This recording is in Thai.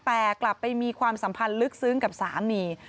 แต่กลับไปมีความสัมพันธ์ลึกซึ้งกับสามี